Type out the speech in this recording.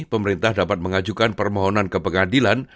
pemerintah dapat mengajukan permohonan ke pengadilan